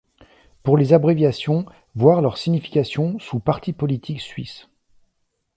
Pour les abréviations, voir leur signification sous partis politiques suisses.